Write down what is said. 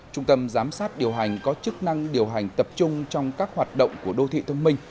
trung tâm giám sát điều hành có chức năng điều hành tập trung trong các hoạt động của đô thị thông minh